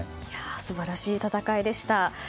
素晴らしい戦いでした。